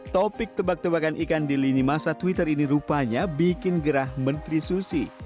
topik tebak tebakan ikan di lini masa twitter ini rupanya bikin gerah menteri susi